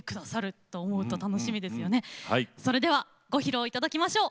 それではご披露頂きましょう。